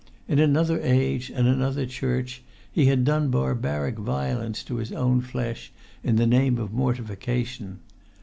In another age and another Church he had done barbaric violence to his own flesh in the name of mortification.